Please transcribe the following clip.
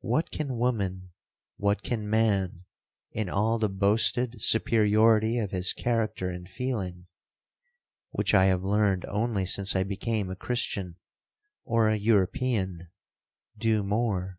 What can woman, what can man, in all the boasted superiority of his character and feeling, (which I have learned only since I became a Christian, or an European), do more?